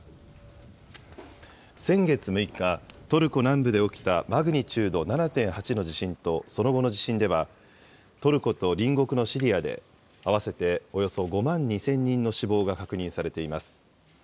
先月６日、トルコ南部で起きたマグニチュード７．８の地震とその後の地震では、トルコと隣国のシリアで、合わせておよそ５万２０００人の死亡が確認されています。